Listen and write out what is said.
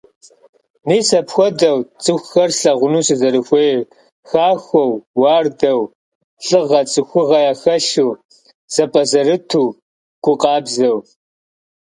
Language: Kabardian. Мис апхуэдэут цӀыхухэр слъэгъуну сызэрыхуейр: хахуэу, уардэу, лӀыгъэ, цӀыхугъэ яхэлъу, зэпӀэзэрыту, гу къабзэу.